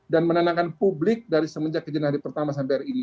dan menenangkan publik dari semenjak kejadian hari pertama sampai hari ini